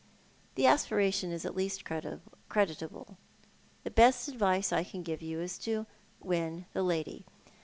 " The aspiration is at least creditable. The best advice I can give you is to win the lady.